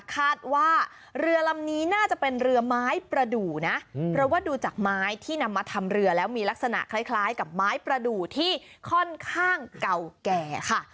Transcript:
คาดว่าเรือลำนี้น่าจะเป็นเรือไม้ประดูนะเพราะว่าดูจากไม้ที่นำมาทำเรือแล้วมีลักษณะคล้ายกับไม้ประดูกที่ค่อนข้างเก่าแก่ค่ะ